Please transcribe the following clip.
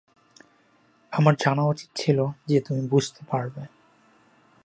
আমার জানা উচিত ছিল যে তুমি বুঝতে পারবে।